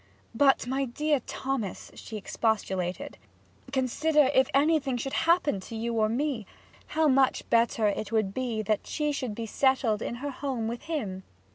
'But, my dear Thomas,' she expostulated, 'consider if anything should happen to you or to me, how much better it would be that she should be settled in her home with him!'